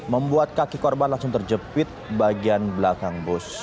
membuat kaki korban langsung terjepit bagian belakang bus